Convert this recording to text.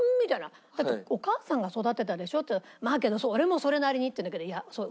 「だってお母さんが育てたでしょ」って言ったら「まあけど俺もそれなりに」って言うんだけど。